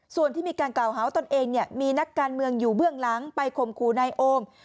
ส่วนที่มีการกล่าวหาว่าตนเองมีนักการเมืองอยู่เบื้องหลังไปข่มขู่นายโอม